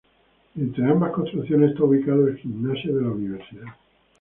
Entre ambas construcciones está ubicado el gimnasio de la Universidad.